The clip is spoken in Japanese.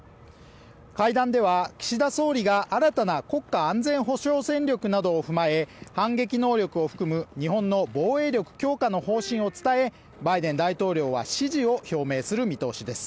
会談では、岸田総理が新たな国家安全保障戦略などを踏まえ反撃能力を含む日本の防衛力強化の方針を伝えバイデン大統領は、支持を表明する見通しです。